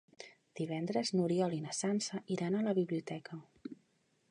Divendres n'Oriol i na Sança iran a la biblioteca.